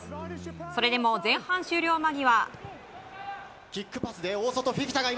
それでも前半終了間際。